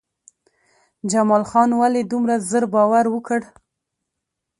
جمال خان ولې دومره زر باور وکړ؟